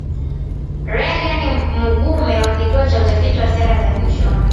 Reagan Mugume wa Kituo cha Utafiti wa Sera za Uchumi